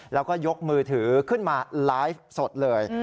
แล้วก็ยกมือถือขึ้นมาไลฟ์สดเลย